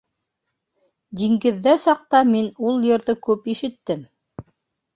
Диңгеҙҙә саҡта мин ул йырҙы күп ишеттем.